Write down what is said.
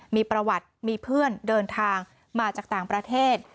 มีประวัติมีเพื่อนเดินทางมาจากต่างประเทศ